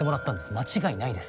間違いないです。